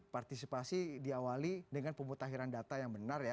partisipasi diawali dengan pemutahiran data yang benar ya